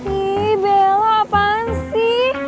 ih bella apaan sih